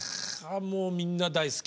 もうみんな大好き！